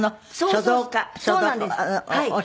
書道家。